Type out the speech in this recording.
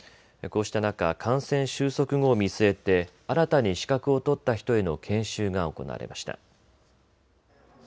こうした中、感染収束後を見据えて新たに資格を取った人への研修が行われました。